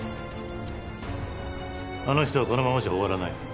あの人はこのままじゃ終わらない。